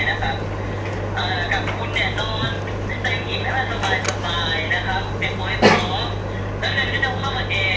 ไปไม่ได้เลื่อนเป็น๑๕ภูมิภาพก็ไม่ได้เลื่อนเป็น๒๖ภูมิภาพมีนาภูมิภาพก็ไม่ได้